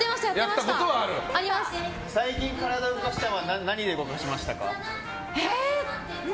最近、体を動かしたのは何で動かしましたか？